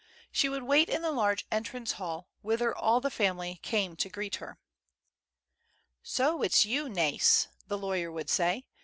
She would wait in the large entrance hall, whither all the family came to greet her. "So it's you, Nais," the lawyer would say.